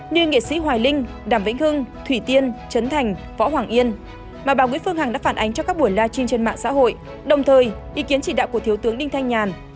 như nghệ sĩ hoài linh đàm vĩnh hưng thủy tiên trấn thành võ hoàng yên mà bà nguyễn phương hằng đã phản ánh cho các buổi live trên mạng xã hội đồng thời ý kiến chỉ đạo của thiếu tướng đinh thanh nhàn